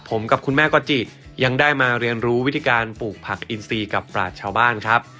ผมกับคุณแม่ก๊อจิยังได้มาเรียนรู้วิธีการปลูกผักอินซีกับปราชชาวบ้านครับ